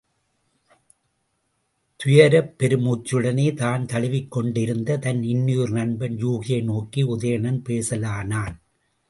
துயரப் பெரு மூச்சுடனே தான் தழுவிக் கொண்டிருந்த தன் இன்னுயிர் நண்பன் யூகியை நோக்கி உதயணன் பேசலானான்.